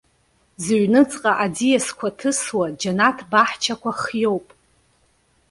Зыҩныҵҟа аӡиасқәа ҭысуа џьанаҭ баҳчақәа хиоуп.